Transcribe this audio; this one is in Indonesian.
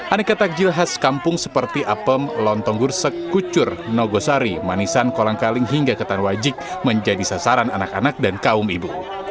aneka takjil khas kampung seperti apem lontong gursak kucur nogosari manisan kolangkaling hingga ketanwajik menjadi sasaran anak anak dan kaum ibu